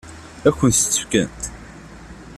Ad kent-tt-fkent?